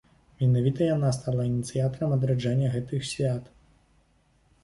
Менавіта яна стала ініцыятарам адраджэння гэтых свят.